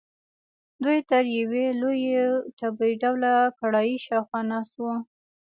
دوی تر یوې لویې تبۍ ډوله کړایۍ شاخوا ناست وو.